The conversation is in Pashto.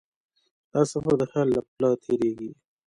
دا سفر د خیال له پله تېرېږي.